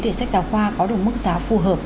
để sách giáo khoa có được mức giá phù hợp